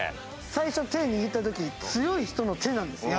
最初手握った時強い人の手なんですよ。